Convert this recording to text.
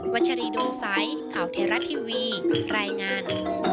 วัชรีดูซัยเก่าเทราะทีวีรายงาน